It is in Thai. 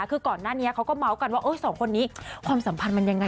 คือก่อนหน้านี้เขาก็เมาส์กันว่าสองคนนี้ความสัมพันธ์มันยังไง